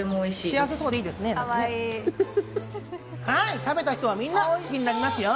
食べた人はみんな好きになりますよ！